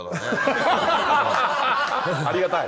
ありがたい？